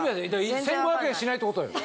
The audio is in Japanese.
１５００円しないってことよ。